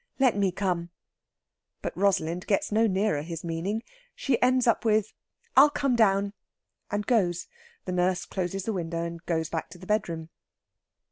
"Let me come!" But Rosalind gets no nearer his meaning. She ends up with, "I'll come down," and goes. The nurse closes the window and goes back to the bedroom.